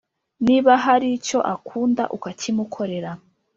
niba hari icyo akunda ukakimukorera